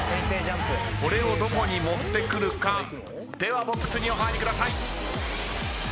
これをどこに持ってくるかではボックスにお入りください。